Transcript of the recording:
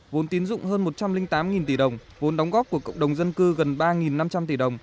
vốn tiến dụng hơn một trăm linh tám tỷ đồng vốn đóng góp của cộng đồng dân cư gần ba năm trăm linh tỷ đồng